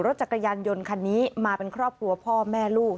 จักรยานยนต์คันนี้มาเป็นครอบครัวพ่อแม่ลูก